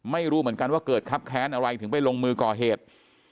ไม่รู้เหมือนกันว่าเกิดครับแค้นอะไรถึงไปลงมือก่อเหตุ